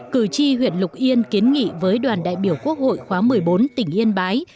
cử tri huyện lục yên kiến nghị với đoàn đại biểu quốc hội khóa một mươi bốn tỉnh yên bái